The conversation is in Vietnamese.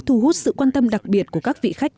thu hút sự quan tâm đặc biệt của các vị khách